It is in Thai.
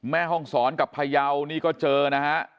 แม่ห้องศรกับพยาวนี่ก็เจอนะฮะ